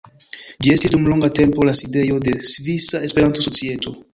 Ĝi estis dum longa tempo la sidejo de Svisa Esperanto-Societo.